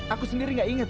aku sendiri tidak ingat